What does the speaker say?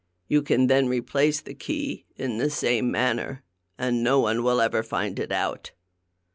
You can then replace the key in the same manner, and no one will ever find it out.